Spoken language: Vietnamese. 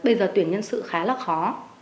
bây giờ tuyển nhân sự khá là khó